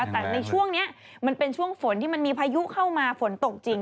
แต่ในช่วงนี้มันเป็นช่วงฝนที่มันมีพายุเข้ามาฝนตกจริง